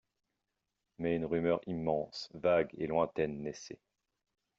Mais une rumeur immense, vague et lointaine naissait.